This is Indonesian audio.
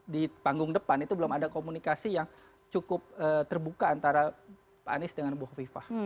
di panggung depan itu belum ada komunikasi yang cukup terbuka antara pak anies dengan bu hovifah